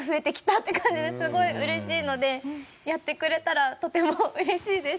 って感じですごい嬉しいのでやってくれたらとても嬉しいです。